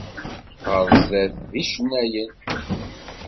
Ɣer sdat, d icennayen.